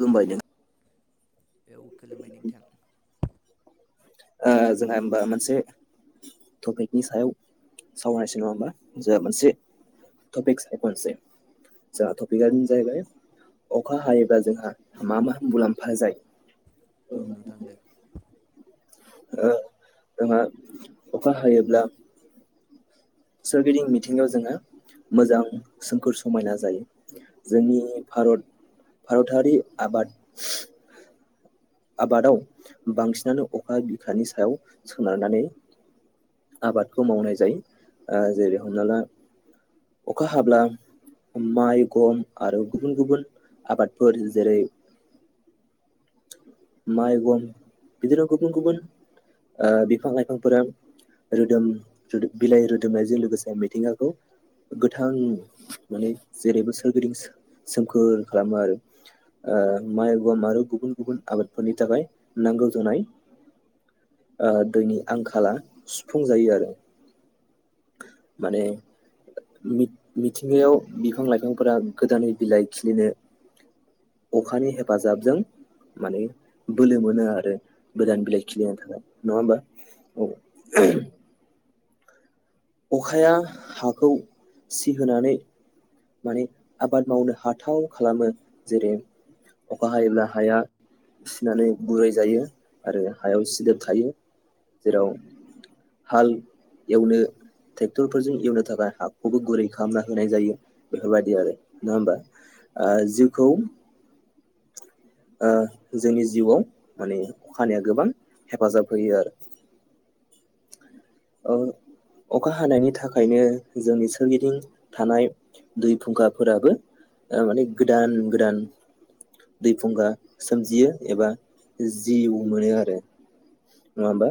खुलुमबाय नों बेव खुलुमबाय नोंथां ओ जोंहा होमबा मोनसे टपिकनि सायाव सावरायसेै नङबा मोनसे ट'पिक्स [unintelligible] जाहा टपिकानो जाहैबाय अखा हायोब्ला जोंहा मा मा मुलाम्फा जायो। औ नोंथां दे ओ जोंहा अखा हायोब्ला सोरगिदिं मिथिंयाव जोङो मोजां सोमखोर समायना जायो। जोंनि भारत भारतारि आबाद आबादाव बांसिनानो अखा बिखानि सायाव सोनारनानै आबादखौ मावनाय जायो। ओ जेरै हमना ला अखा हाब्ला माइ, गम आरो गुबुन-गुबुन आबादफोर जेरै- माइगं बिदिनो गुबन- गुबुन ओ बिफां-लाइफांफोरा रोदोम बिलाइ रोदोमनायजों लोगोसे मिथिंगाखौ गोथां माने जेरैबो सोरगिदिं सोमखोर खालामो आरो। ओ माय गम आरो गुबुन-गुबुन आबादफोरनि थाखाय नांगौ जानाय ओ दैनि आंखाला सु फुंजायो आरो माने मि मिथिंगायाव बिफां-लाइफांफोरा गोदानै बिलाइ खिलिनो अखानि हेफाजाबजों माने बोलो मोनो आरो गोदान बिलाइ खिलिनो थाखाय नङा होमबा? औ ओम अखाया हाखौ सिहोनानै माने आबाद मावनो हाथाव खालामो जेरै अखा हायोब्ला हाया सिनानै गुरै जायो आरो हायाव सिदोबखायो जेराव हाल एवनो ट्रेक्टरफोरजों एवनो थाखाय हाखौबो गुरै खालामना होनाय जायो। बेफोरबायदि आरो नङा होमबा ओ‌ जिउखौ ओ जोंनि जिउआव, माने अखा हानाया गोबां हेफाजाब होयो आरो [inaudible] औ। अखा हानायनि थाखायनो, जोंनि सोरगिदिं थानाय दै फुंखाफोराबो ओ माने गोदान -गोदान दै फुंखा सोमजियो एबा जिउ मोनो आरो। नङाबा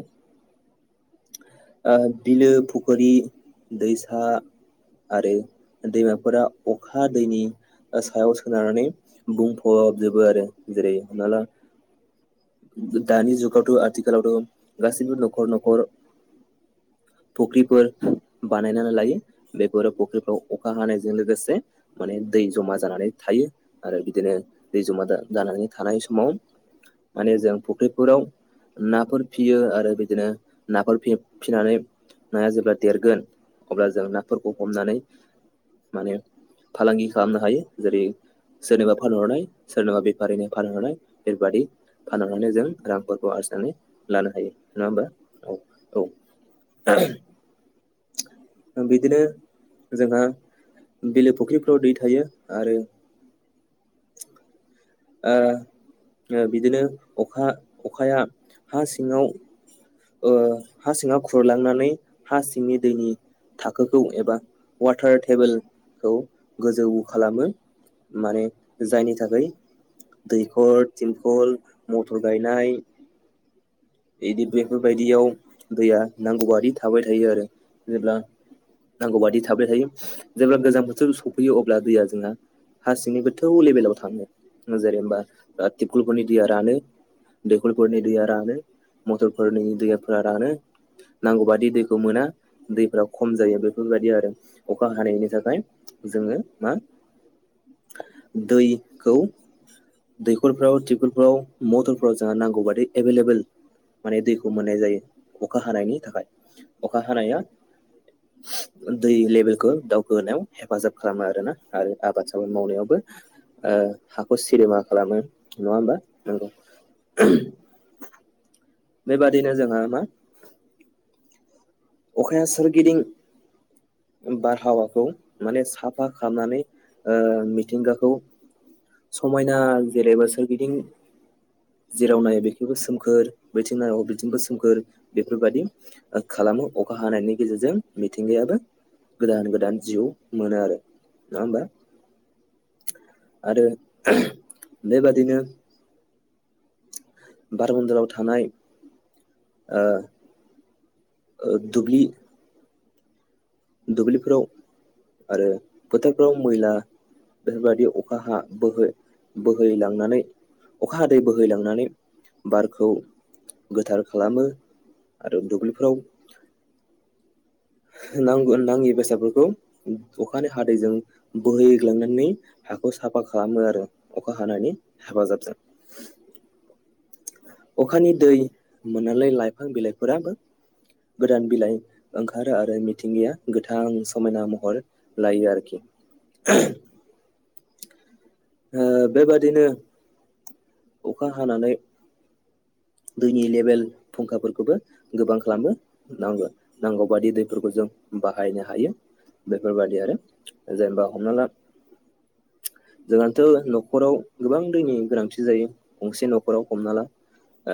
ओ बिलो फुख्रि दैसा आरो दैमाफोरा अखा दैनि सायाव सोनारनानै बुंफबजोबो आरो। जेरै हमना ला दानि जुगावथ', आथिखालावथ' गासैबो न'खर न'खर फुख्रिफोर बानायनानै लायो। बेफोरो फुख्रिखौ अखा हानायजों लोगोसे माने दै जमा जानानै थायो आरो बिदिनो दै जमा जानानै थानाय समाव माने जों फुख्रिफोराव नाफोर फियो आरो बिदिनो नाफोर [unintelligible] फिसिनानै नाया जेब्ला देरगोन अब्ला जों नाफोरखौ हमनानै माने फालांगि खालामनो हायो जेरै सोरनोबा फानहरनाय सोरनोबा बेफारिनो फानहरनाय बेफोरबादि फाननानै जों रांफोरखौ आरजिनानै लानो हायो नङा होमबा? औ। औ बिदिनो जोंहा बिलो फुख्रिफ्राव दै थायो आरो [inaudible] ओ बिदिनो अखा -अखाया हा सिङाव ओ हा सिङाव खुरलांनानै हा सिंनि दैनि थाखोखौ एबा वाटार टेबोलखौ गोजौ खालामो। माने जायनि थाखाय दैखर, थिंखल, मथर गायनाय बिदि बेफोरबायदियाव दैया नांगौ बादि थाबाय थायो आरो जेब्ला नांगौ बादि थाबाय थायो। जेब्ला गोजां बोथोर सफैयो अब्ला दैया जोंना हारसिंनो गोथौ लेभेलाव थाङो जेनेबा तिबकुलफोरनि दैया रानो। दैखरफोरनि दैया रानो, मथरफोरनि दैयाफोरा रानो। नांगौ बादि दैखौ मोना। दैफ्रा खम जायो। बेफोरबायदि आरो, अखा हानायनि थाखाय जोङो मा [inaudible] दैखौ दैखरफ्राव, टिबलफ्राव, मटरफ्राव जोंहा नांगौ बादि एभेलेबेल माने दैखौ मोननाय जायो। अखा हानायनि थाखाय अखा हानाया दै लेबेलखौ दावखो होनायाव हेफाजाब खालामो आरोना। आरो आबाद साबाद मावनायावबो। ओ हाखौ सिरिमा खालामो नङा होमबा? नंगौ बेबादिनो जोंङा मा? अखाया सोरगिदिं बारहावाखौ माने साफा खालामनानै ओ‌ मिथिंगाखौ समायना जेरैबो सोरगिदिं जेराव नायो बेथिबो सोमखोर, बेथिं नायो बिथिंबो सोमखोर, बेफोरबायदि खालाम खामो अखा हानायनि गेजेरजों मिथिंगायाबो गोदान -गोदान जिउ मोनो आरो नङा होमबा? आरो बेबादिनो बारमन्दोलाव थानाय ओ ओ दुबलि दुब्लिफोराव आरो फोथारफ्राव मैला बेफोरबायदि अखा हा बोहै-बोहैलांनानै अखा हादै बोहैलांनानै बारखौ गोथार खालामो आरो दुब्लिफ्राव नांगौ नाङि बेसादफोरखौ अखानि हादैजों बोहैग्लांनानै हाखौ साफा खालामो आरो। अखा हानानि हेफाजाबजों। अखानि दै मोनालाय लाइफां बिलाइफोराबो गोदान बिलाइ ओंखारो आरो मिथिंगाया गोथ थां समायना महर लायो आरोखि। आ बेबादिनो अखा हानानै दैनि लेबेल फुंखाफोरखौबो गोबां खालामनो नांगो-नांगौ बादि दैफोरखौ जों बाहायनो हायो बेफोरबादि आरो जेनेबा हमना ला जोंहानथ' न'खराव गोबां दैनि गोनांथि जायो गंसे न'खराव हमना ला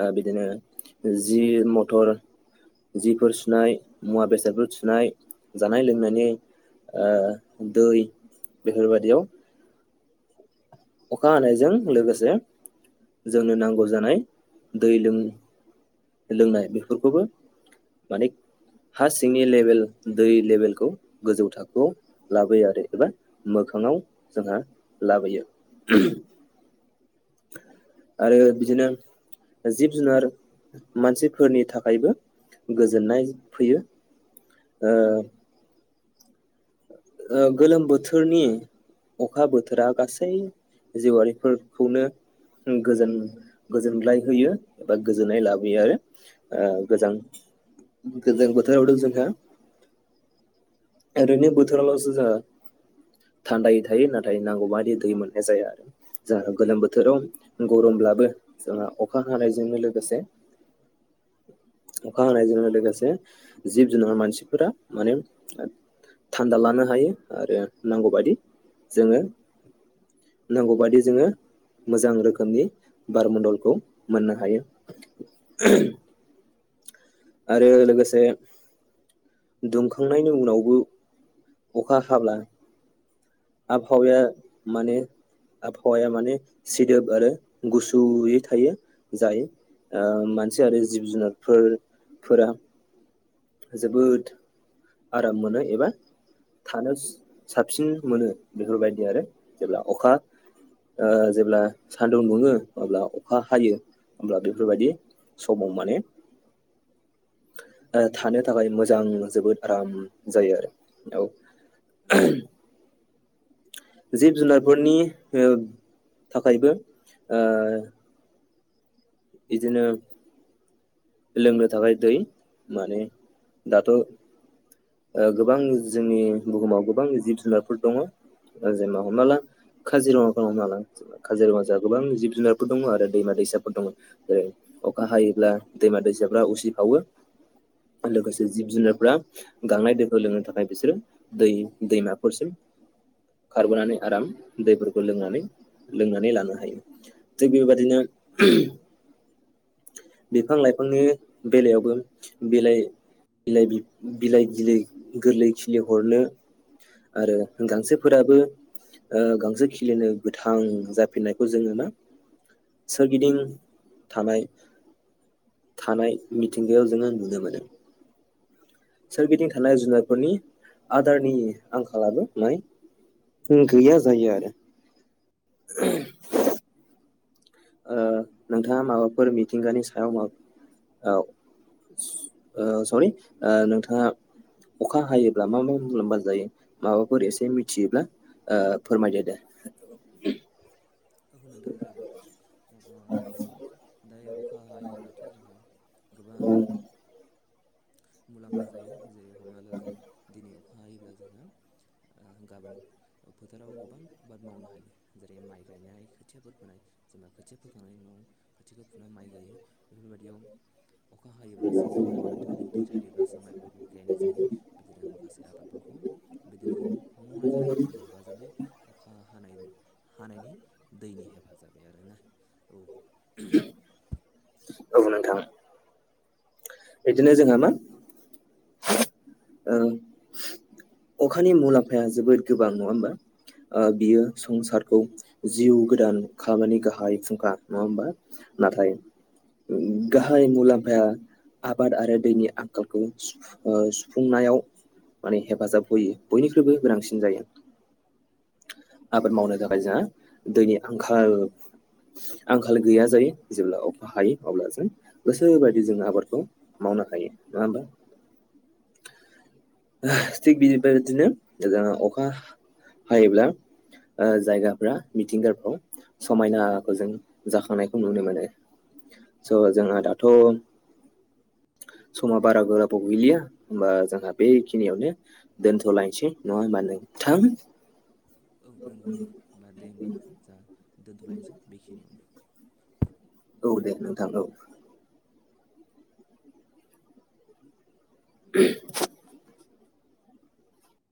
आ बिदिनो जि म'थर जिफोर सुनाय मुवा बेसादफोर सुनाय जानाय लोंनायनि आ दै बेफोरबादियाव अखा हानायजों लोगोसे जोंनो नांगौ जानाय दै लों-लोंनाय बेफोरखौबो मानेख हा सिंनि लेभेल दै लेभेलखौ गोजौ थाखोआव लाबोयो आरो एबा मोग मोखाङाव जोंहा लाबोयो। आरो बिदिनो जिब जुनार मानसिफोरनि थाखायबो गोजोननाय फैयो। ओ ओ गोलोम बोथोरनि अखा बोथोरा गासै जिवारिफोरखौनो ओं गोजोन-गोजोनलाय होयो एबा गोजोननाय लाबोयो आरो आ गोजां गोजों बोथोरावथ' जोंहा एरैनो बोथोरावल'सो जोहा थान्दायै थायो नाथाय नांगौ बायदि दै मोननाय जाया जोंहा गोलोम बोथोराव गरम ब्लाबो जोंहा अखा हानायजोंनो लोगोसे अखा हानायजों लोगोसे जिब जुनार मानसिफोरा माने थान्दा लानो हायो आरो नांगौबादि जोङो नांगौ बादि जोङो मोजां रोखोमनि बारमडलखौ मोननो हायो। आरो लोगोसे दुमखांनायनि उनावबो अखा हाब्ला आबहावाया माने आबहावाया माने सिदोब आरो गुसुयै थायो जाय आ मानसि आरो जिब जुनारफोर फोरा जोबोद आराम मोनो एबा थानो साबसिन मोनो बेफोरबायदि आरो जेब्ला अखा ओ जेब्ला सान्दुं दुंयो अब्ला अखा हायो होमब्ला बेफोरबायदि समाव माने थानो थाखाय मोजां जोबोद आराम जायो आरो औ। [unintelligible] जिब जुनारफोरनि ओ थाखायबो ओ बिदिनो लोंनो थाखाय दै माने दाथ' गोबां जोंनि बुहुमाव गोबां जिब जुनारफोर दङ जेनबा हमना ला काजिरङाखौनो हमना ला काजिरङा जोंहा गोबां जिब जुनारफोर दङ आरो दैमा दैसाफोर दङ जेरै अखा हायोब्ला दैमा दैसाफ्रा उसिफावो लोगोसे जिब जुनारफ्रा गांनाय दैखौ लोंनो थाखाय बिसोरो दै दैमाफोरसिम खारबोनानै आराम दैफोरखौ लोंनानै लोंनानै लानो हायो थिग बेबायदिनो [unintelligible] बिफां लाइफांनि बेलायावबो बिलाइ बिलाइ गिलै बिलाइ गोरलै खिलि हरनो आरो गांसोफोराबो ओ गांसो खिलिनो गोथां जाफिननायखौ जोङो मा सोरगिदिं थानाय थानाय मिथिंगायाव जोङो नुनो मोनो। सोरगिदिं थानाय जुनारफोरनि आदारनि आंखालाबो माइ गैया जायो आरो। [inaudible] ओ नोंथाङा माबाफोर मिथिंगानि सायाव मा औ ओ सरि नोंथाङा अखा हायोब्ला मा मा मुलाम्फा जायो माबाफोर एसे मिथियोब्ला फोरमायदो दे। होननो थां जागोन जोंहाथ' दायो अखा हायोब्लाथ' जोंहा गोबां औ मुलाम्फा जायो जेरै हमना ला जों दिनै अखा हायोब्ला जोंहा गाबोन फोथाराव गोबां आबाद मावनो हायो जेरै माइ गायनाय खोथियाफोर फोनाय जेनेबा खोथिया फोखांनायनि न' खाथियाखौ फुना माइ गायो बेफोरबायदियाव अखा हायोब्लासो जोंहा दुब्लियाव दै थायोब्लाासो माइफोरखौ गायनाय जायो बिदिनो माखासे आबादफोरखौ बिदिनो मावनाय जायो दै नि हेफाजाबै अखा हानाय हानायनि दै नि हेफाजाबै आरोना औ औ नोंथां। बिदिनो जोंहा मा ओ अखानि मुलाम्फाया जोबोद गोबां नङा होमबा? ओ बियो संसारखौ जिउ गोदान खामानि गाहाय फुंखा नङा होमबा? नाथाय गाहाय मुलाम्फाया आबाद आरो दैनि आंखालखौ सुफुंनायाव माने हेफाजाब होयो बयनिख्रुइबो गोनांसिन जायो। आबाद मावनो थाखाय जोंहा दैनि आंखाल आंखाल गैया जायो जेब्ला अखा हायो अब्ला जों गोसोबायदि जों आबादखौ मावनो हायो नङा होमबा? थिग बेबायदिनो जोंहा अखा हायोब्ला जायगाफ्रा मिथिंगारफ्राव समायनाखौ जों जाखांनायखौ नुनो मोनो। स' जोंहा दाथ' समा बारा गोबाव गैलिया होमबा जों बेखिनियावनो दोनथ'लायनोसै नङा होमबा नोंथां। औ नंगौ दे होमबा दे होमबाना जोंङा दोन्थ'लायनोसै बेखिनियावनो। औ दे नोंथां औ। [inaudible]